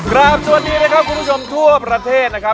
สวัสดีนะครับคุณผู้ชมทั่วประเทศนะครับ